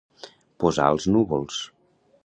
Posar als núvols.